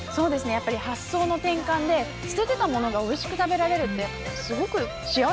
やっぱり発想の転換で捨ててた物がおいしく食べられるってすごく幸せなことだなって思いますね。